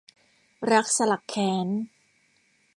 รักสลักแค้น